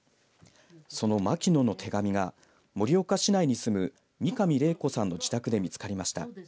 その牧野の手紙が盛岡市内に住む三上れい子さんの自宅で見つかりました。